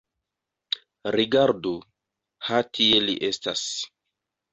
Rigardu: ha tie li estas.